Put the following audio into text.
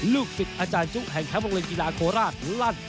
ลูกศิษย์อาจารย์จุแห่งแคมป์วงเร็งกีฬาโคลราศลั่น